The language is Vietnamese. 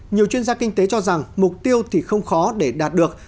nhiều chuyên gia kinh tế cho rằng mục tiêu thì không khó để đạt được